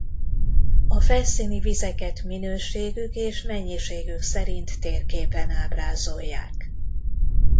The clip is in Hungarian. A felszíni vizeket minőségük és mennyiségük szerint térképen ábrázolják.